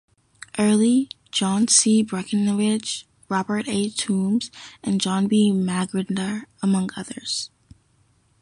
Early, John C. Breckinridge, Robert A. Toombs, and John B. Magruder, among others.